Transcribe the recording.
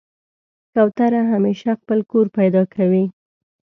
کوتره همیشه خپل کور پیدا کوي.